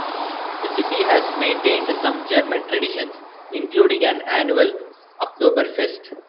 The city has maintained some German traditions, including an annual Oktoberfest.